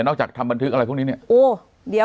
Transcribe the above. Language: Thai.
ออกจากทำบันทึกอะไรพวกนี้เนี่ย